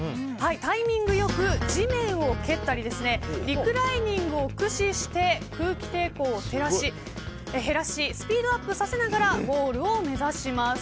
タイミング良く地面を蹴ったりリクライニングを駆使して空気抵抗を減らしスピードアップさせながらゴールを目指します。